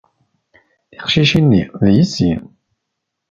Tiqcicin-nni, d yessi.